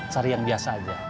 cari yang biasa aja